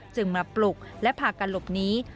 จึงมาปลุกและพากันหลบหนี